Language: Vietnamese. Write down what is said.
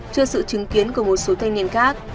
trước sự chứng kiến của một số thanh niên khác